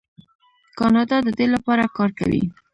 کاناډا د دې لپاره کار کوي.